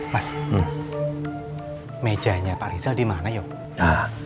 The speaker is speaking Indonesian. mas mejanya pak rizal di mana yuk